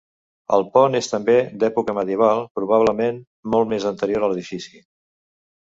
El pont és també d’època medieval probablement molt més anterior a l’edifici.